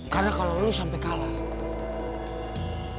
karena kalo lu sampe kalah